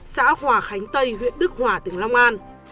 xã hòa khánh tây huyện đức hòa tỉnh long an